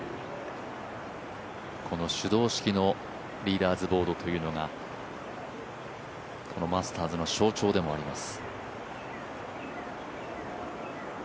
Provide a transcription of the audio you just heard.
この手動式のリーダーズボードというのがマスターズの象徴でもあります。